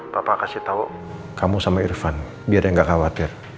bapak kasih tahu kamu sama irfan biar yang gak khawatir